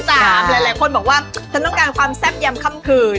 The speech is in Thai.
หลายคนบอกว่าฉันต้องการความแซ่บยำค่ำคืน